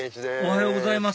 おはようございます。